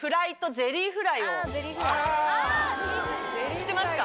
知ってますか？